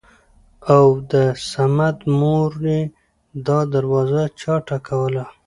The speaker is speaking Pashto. اوو د صمد مورې دا دروازه چا ټکوله!!